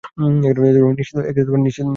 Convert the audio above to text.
নিশ্চিত কাজ হবে।